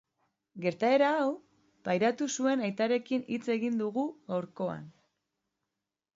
Gertaera hau pairatu zuen aitarekin hitz egin dugu gaurkoan.